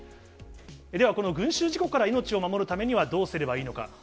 ではこの群集事故から命を守るためには、どうすればいいのか。